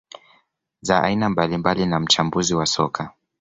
za aina mbalimbali na mchambuzi wa soka